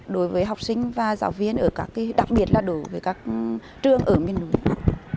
đối với học sinh và giáo viên đặc biệt là đối với các trường ở miền núi